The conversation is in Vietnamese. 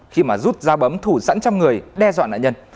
khi mà rút ra bấm thủ sẵn trong người đe dọa nạn nhân